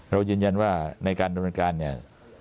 ยืนยันว่าในการดำเนินการเนี่ย